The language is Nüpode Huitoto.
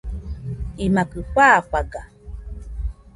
imakɨ fafaga